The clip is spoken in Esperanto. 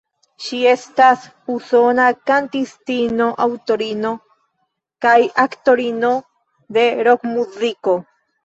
Ŝi estas usona kantistino, aŭtorino kaj aktorino de rokmuziko.